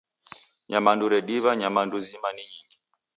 Nyamandu rediw'a nyamandu zima ni nyingi.